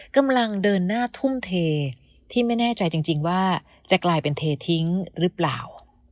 กำลังเดินหน้าทุ่มเทที่ไม่แน่ใจจริงว่าจะกลายเป็นเททิ้งหรือเปล่า